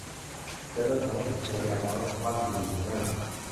ฉันโดนถามว่าเป็นภรรยาน้อยของบ้านบลีกหรือไม่